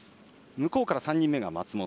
向こうから３人目が松本。